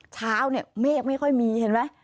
เช้าเนี่ยเมฆไม่ค่อยมีเห็นไหม